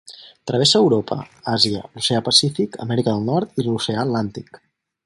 Travessa Europa, Àsia, l'Oceà Pacífic, Amèrica del Nord i l'Oceà Atlàntic.